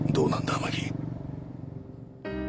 天樹。